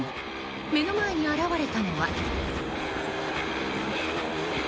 目の前に現れたのは。